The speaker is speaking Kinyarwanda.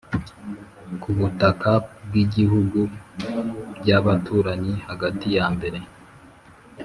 ku butaka bw'ibihugu by'abaturanyi hagati ya mbere